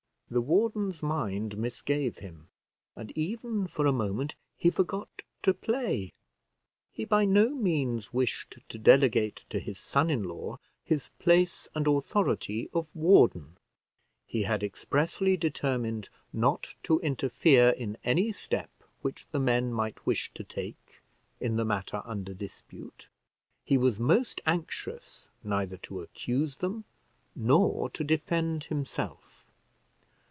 The warden's mind misgave him, and even for a moment he forgot to play. He by no means wished to delegate to his son in law his place and authority of warden; he had expressly determined not to interfere in any step which the men might wish to take in the matter under dispute; he was most anxious neither to accuse them nor to defend himself.